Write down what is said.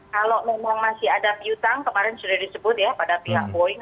kalau memang masih ada piutang kemarin sudah disebut ya pada pihak boeing